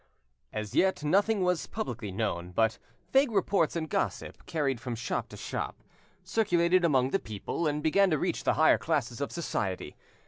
As yet, nothing was publicly known; but vague reports and gossip, carried from shop to shop, circulated among the people, and began to reach the higher classes of society.